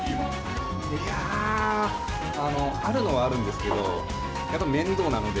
いやぁ、あるのはあるんですけど、やっぱ面倒なので。